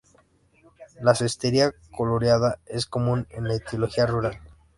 La cestería coloreada es común en la Etiopía rural.